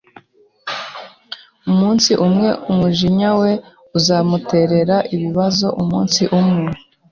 Umunsi umwe umujinya we uzamutera ibibazo umunsi umwe.